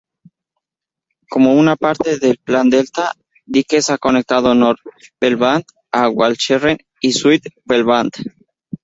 Como una parte del Plan Delta, diques han conectado Noord-Beveland a Walcheren y Zuid-Beveland.